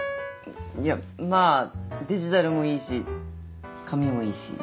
いやまあデジタルもいいし紙もいいし。